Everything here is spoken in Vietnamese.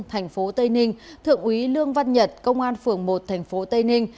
tp tây ninh thượng úy lương văn nhật công an phường một tp tây ninh